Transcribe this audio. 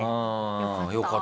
よかった。